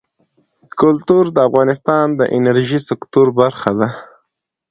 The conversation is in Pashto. کلتور د افغانستان د انرژۍ سکتور برخه ده.